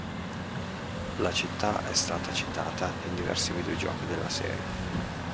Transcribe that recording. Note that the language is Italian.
La città è stata citata in diversi videogiochi della serie.